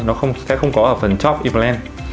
nó sẽ không có ở phần chóp implant